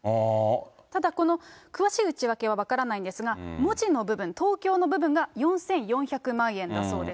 ただ、この詳しい内訳は分からないんですが、文字の部分、ＴＯＫＹＯの部分が４４００万円だそうです。